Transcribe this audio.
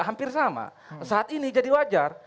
hampir sama saat ini jadi wajar